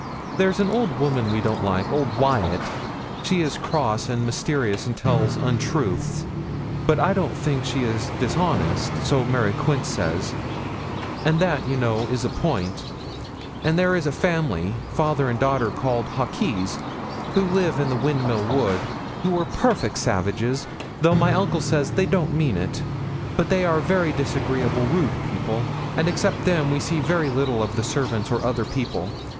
There's an old women we don't like, old Wyat, she is cross and mysterious and tells untruths; but I don't think she is dishonest so Mary Quince says and that, you know, is a point; and there is a family, father and daughter, called Hawkes, who live in the Windmill Wood, who are perfect savages, though my uncle says they don't mean it; but they are very disagreeable, rude people; and except them we see very little of the servants or other people.